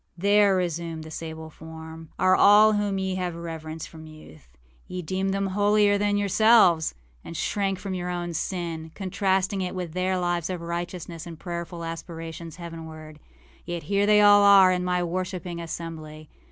âThere,â resumed the sable form, âare all whom ye have reverenced from youth. Ye deemed them holier than yourselves, and shrank from your own sin, contrasting it with their lives of righteousness and prayerful aspirations heavenward. Yet here are they all in my worshipping assembly.